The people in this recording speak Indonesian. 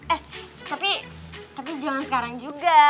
eh tapi zaman sekarang juga